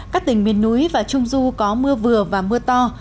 các tỉnh miền núi và trung du có mưa vừa và mưa to